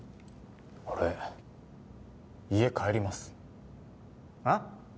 俺家帰りますあっ？